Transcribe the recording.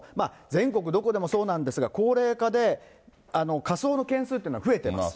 全国どこでもそうなんですが、高齢化で、火葬の件数っていうのは、増えてます。